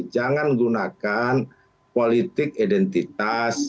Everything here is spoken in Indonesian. jangan menggunakan politik identitas